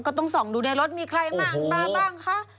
ก็ต้องส่องดูในรถมีใครบ้างมาบ้างคะ